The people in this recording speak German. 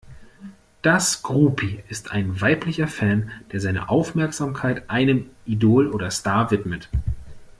Das Groupie ist ein weiblicher Fan, der seine Aufmerksamkeit einem Idol oder Star widmet.